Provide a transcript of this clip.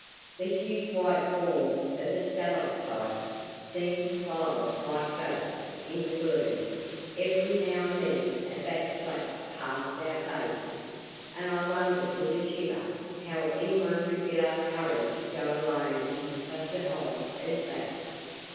The huge white forms of the stalactites seemed to follow us like ghosts in the gloom; every now and then a bat flapped past our faces, and I wondered with a shiver how anyone could get up courage to go alone into such a hole as that.